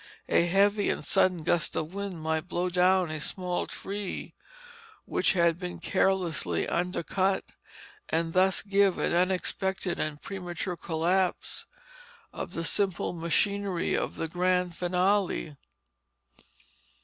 A heavy and sudden gust of wind might blow down a small tree, which had been carelessly "under cut," and thus give an unexpected and premature collapse of the simple machinery of the grand finale.